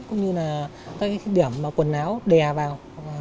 cũng như là các điểm quần áo đè vào